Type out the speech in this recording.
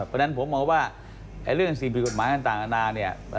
เพราะฉะนั้นผมมองว่าเรื่องสิ่งผิดกฎหมายต่างอาณาเนี่ย